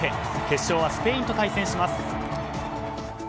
決勝はスペインと対戦します。